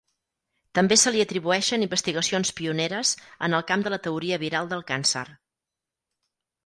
També se li atribueixen investigacions pioneres en el camp de la teoria viral del càncer.